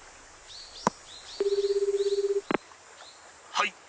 「はい」。